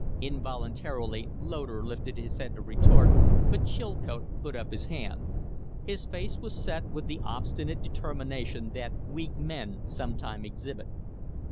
Involuntarily Loder lifted his head to retort, but Chilcote put up his hand. His face was set with the obstinate determination that weak men sometime exhibit.